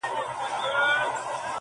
دا ستا خبري او ښكنځاوي گراني